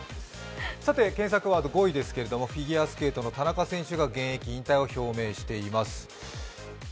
検索ワード５位ですけれども、フィギュアスケートの田中刑事選手が現役引退を表明しています。